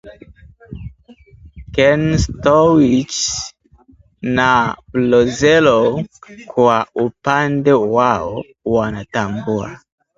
Kenstowicz na Broselow kwa upande wao wanatambua